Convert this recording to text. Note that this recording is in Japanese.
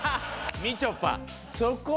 みちょぱ。